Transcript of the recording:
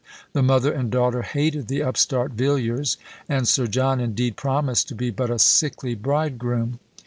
The mother and daughter hated the upstart Villiers, and Sir John, indeed, promised to be but a sickly bridegroom.